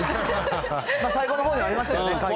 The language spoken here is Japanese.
最後のほうにありましたよね、解答で。